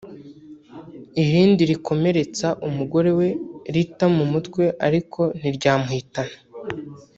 irindi rikomeretsa umugore we Ritha mu mutwe ariko ntiryamuhitana